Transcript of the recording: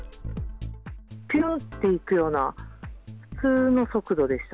ぴゅんといくような、普通の速度でした。